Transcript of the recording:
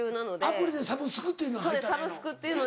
アプリでサブスクっていうのに入ったらええの？